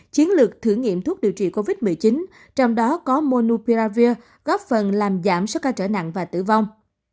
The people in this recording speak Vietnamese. chiến lược thử nghiệm thuốc điều trị covid một mươi chín trong đó có monupiravir góp phần làm giảm số ca trở nặng và tử vong